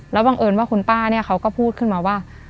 บังเอิญว่าคุณป้าเนี่ยเขาก็พูดขึ้นมาว่า